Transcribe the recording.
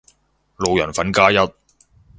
路人粉加一